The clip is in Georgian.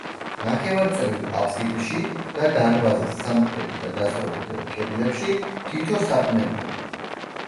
ნახევარწრიულ აფსიდში და დარბაზის სამხრეთ და დასავლეთ კედლებში თითო სარკმელია.